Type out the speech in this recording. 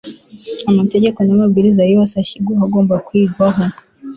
amategeko n'amabwiriza yose ashyirwaho agomba kwigwaho